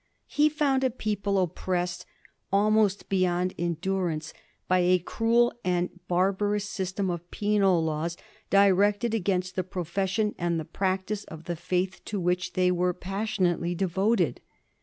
He found a people oppressed almost beyond endurance by a cruel and barbarous system of penal laws directed against the profession and the practice of the faith to which they were passionately devoted.